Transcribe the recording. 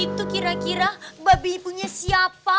itu kira kira babi punya siapa ya